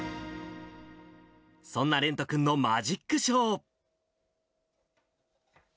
そんな蓮人君のマジックショー。